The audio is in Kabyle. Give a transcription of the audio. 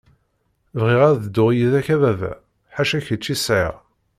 Bɣiɣ ad dduɣ yid-k a baba, ḥaca kečč i sɛiɣ.